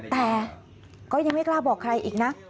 แต่ก็ยังไม่กล้าบอกใครอีกนะ